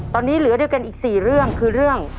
ตอนนี้เหลือด้วยกันอีก๔เรื่องคือเรื่อง